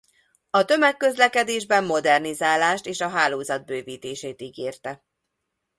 A tömegközlekedésben modernizálást és a hálózat bővítését ígérte.